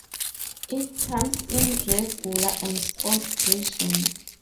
It comes in Regular and Sports versions.